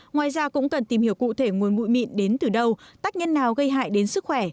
ngoài ra cũng cần tìm hiểu cụ thể nguồn mụi mịn đến từ đâu tác nhân nào gây hại đến sức khỏe